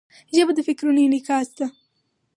ژبه د فکرونو انعکاس ده.